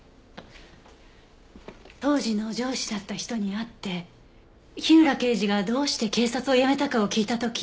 当時の上司だった人に会って火浦刑事がどうして警察を辞めたかを聞いた時。